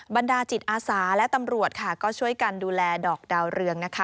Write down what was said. บรรดาจิตอาสาและตำรวจค่ะก็ช่วยกันดูแลดอกดาวเรืองนะคะ